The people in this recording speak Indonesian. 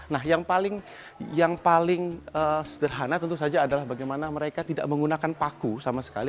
nah yang paling sederhana tentu saja adalah bagaimana mereka tidak menggunakan paku sama sekali